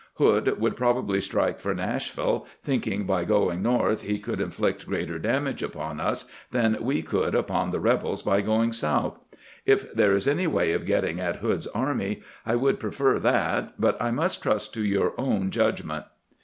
Hood would probably strike for Nashville, thinking by going north he could inflict greater damage upon us than we could upon the rebels by going south. If there is any way of getting at Hood's army, I would prefer that, but I must trust to your own judgment